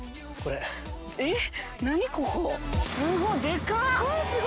えっ！